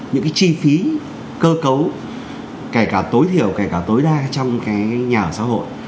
những cái chi phí cơ cấu kể cả tối thiểu kể cả tối đa trong cái nhà ở xã hội